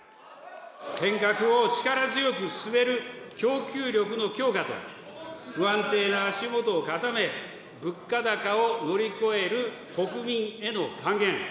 変革を力強く進める供給力の強化と、不安定な足元を固め、物価高を乗り越える国民への還元。